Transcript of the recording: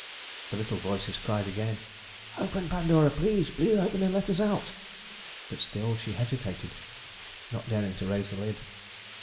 The little voices cried again: "Open, Pandora, please, please open and let us out;" but still she hesitated, not daring to raise the lid.